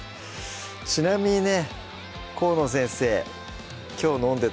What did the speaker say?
ちなみにね